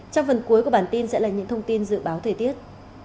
trong phần cuối của bản tin sẽ là những thông tin dự báo thời tiết